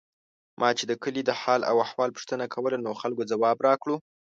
ما چې د کلي د حال او احوال پوښتنه کوله، نو خلکو ځواب راکړو.